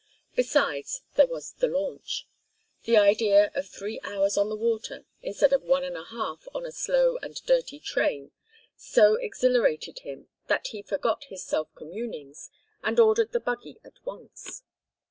Besides there was the launch. The idea of three hours on the water instead of one and a half on a slow and dirty train so exhilarated him that he forgot his self communings and ordered the buggy at once.